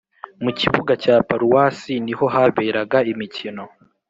mu kibuga cya paruwasi niho haberaga imikino